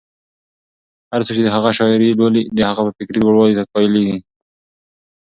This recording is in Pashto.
هر څوک چې د هغه شاعري لولي، د هغه په فکري لوړوالي قایلېږي.